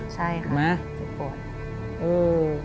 ใช่ค่ะเจ็บปวด